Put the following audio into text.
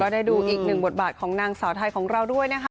ได้ดูอีกหนึ่งบทบาทของนางสาวไทยของเราด้วยนะคะ